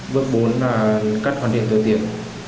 bước bốn là cắt hoàn thiện tựa tiền